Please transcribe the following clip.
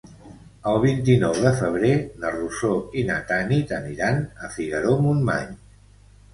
El vint-i-nou de febrer na Rosó i na Tanit aniran a Figaró-Montmany.